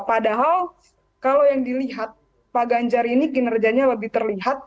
padahal kalau yang dilihat pak ganjar ini kinerjanya lebih terlihat